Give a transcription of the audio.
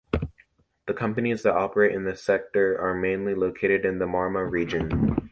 The companies that operate in the sector are mainly located in the Marmara Region.